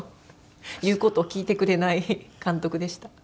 言う事を聞いてくれない監督でした。